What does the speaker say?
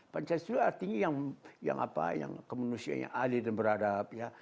pancasilais artinya yang apa yang kemanusiaan yang adil dan beradab